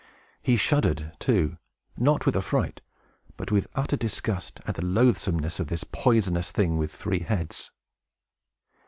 He shuddered, too, not with affright, but with utter disgust at the loathsomeness of this poisonous thing with three heads.